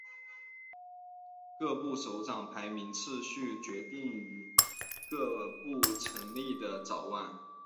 各部首长排名次序取决于各部成立的早晚。